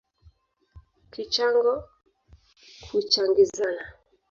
Kichango kuchangizana